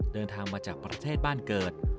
เดินทางมาจากประเทศบ้านเกิด